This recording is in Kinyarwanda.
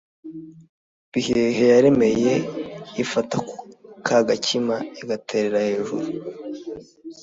bihehe yaremeye, ifata ka gakima igaterera hejuru